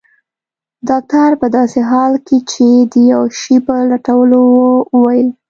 ډاکټر په داسې حال کې چي د یو شي په لټولو وو وویل.